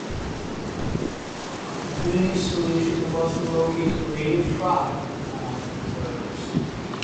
Dewdney's solution was to locate the native tribes on reserves.